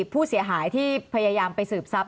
ผู้เสียหายที่พยายามไปสืบทรัพย